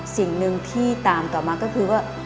สิ่งหนึ่งที่ตามต่อมาก็คือว่า